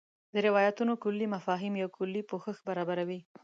د روایتونو کُلي مفاهیم یو کُلي پوښښ برابروي.